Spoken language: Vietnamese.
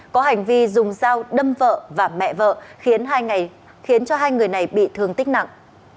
có hành vi dùng dao đâm vợ và mẹ vợ khiến cho hai người này bị thương tích nặng